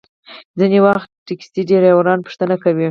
ځینې وخت ټکسي ډریوران پوښتنه کوي.